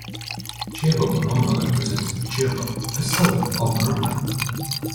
Chievo Verona represents Chievo, a suburb of Verona.